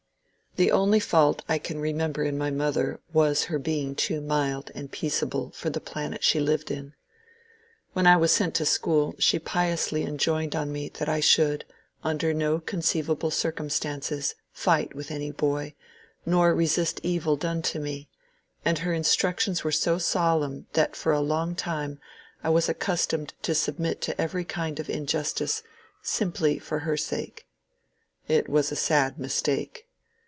[The only fault I can remember in my mother was her be ing too mild and peaceable for the planet she lived in. When I was sent to school, she piously enjoined on me that I should, under no conceivable circumstances, fight with any boy, nor resist evil done to me ; and her instructions were so solemn that for a long time I was accustomed to submit to every kind of injustice, simply for her sake. It was a sad mistake.